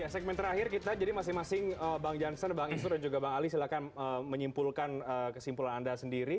segmen terakhir kita jadi masing masing bang jansen bang isnur dan juga bang ali silahkan menyimpulkan kesimpulan anda sendiri